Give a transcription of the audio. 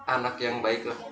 anak yang baiklah